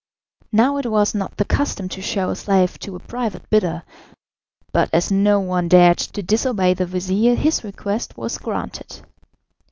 Now it was not the custom to show a slave to a private bidder, but as no one dared to disobey the vizir his request was granted.